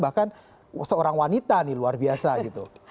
bahkan seorang wanita nih luar biasa gitu